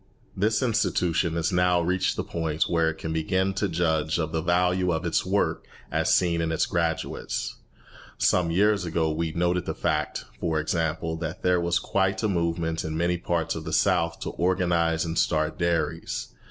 This institution has now reached the point where it can begin to judge of the value of its work as seen in its graduates. Some years ago we noted the fact, for example, that there was quite a movement in many parts of the South to organise and start dairies.